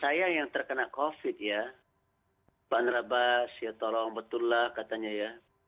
saya yang terkena covid ya pak nerabas ya tolong betullah katanya ya